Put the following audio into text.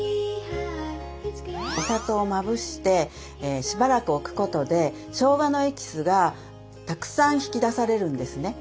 お砂糖をまぶしてしばらく置くことでしょうがのエキスがたくさん引き出されるんですね。